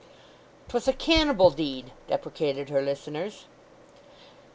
"'Twas a cannibal deed!" deprecated her listeners.